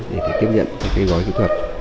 để tiếp nhận các gói kỹ thuật